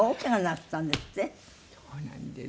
そうなんです。